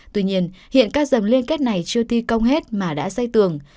tuy nhiên hiện các dầm liên kết này chưa thi công hết mà đã xây tường